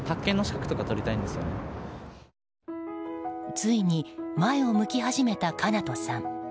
ついに前を向き始めたかなとさん。